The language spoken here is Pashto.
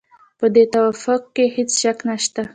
په دې توافق کې هېڅ شک نشته.